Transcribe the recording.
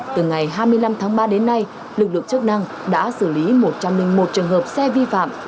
từ ngày hai mươi năm tháng ba đến nay lực lượng chức năng đã xử lý một trăm linh một trường hợp xe vi phạm